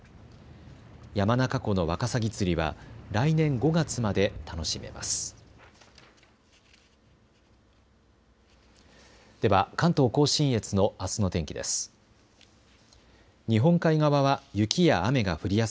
山中湖のわかさぎ釣りは来年５月まで楽しめます。